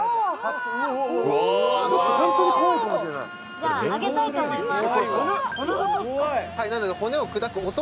じゃ、あげたいと思います。